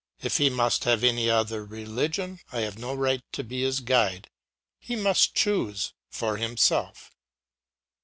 If he must have any other religion, I have no right to be his guide; he must choose for himself.